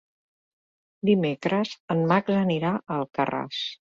Dimecres en Max anirà a Alcarràs.